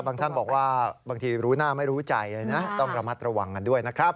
ท่านบอกว่าบางทีรู้หน้าไม่รู้ใจเลยนะต้องระมัดระวังกันด้วยนะครับ